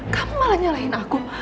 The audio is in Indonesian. kamu malah nyalahin aku